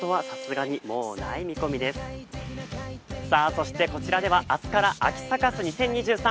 そして、こちらでは、明日から秋サカス２０２３